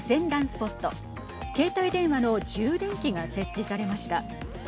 スポット携帯電話の充電器が設置されました。